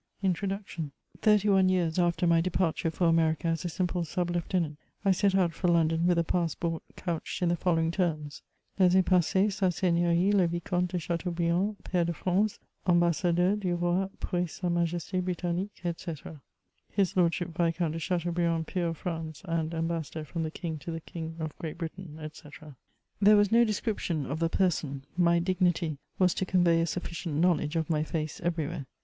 INTRODUCTION. Thirty ONE years after my departure for America as a simple sub Heutenaut, I set out for London with a passport couched in the following terms :—'* Laissez passer sa Seigneurie le Vicomte de Chateaubriand, Pair de France, Ambassadeur du Roi pr^s sa Majeste Britannique, &c/' (his Lordship Viscount de Chateau briand, Peer of France, and Ainbassador from the King to the King of Great Britain, &c.) There was no description of the person ; my dignity was to convey a suiHcient knowledge of my face everywhere.